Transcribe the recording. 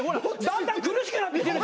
だんだん苦しくなってきてるじゃん。